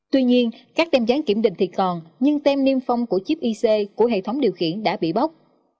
tuy nhiên các tem gián kiểm định thì còn nhưng tem niêm phong của chip ic của hệ thống điều khiển đã bị bóc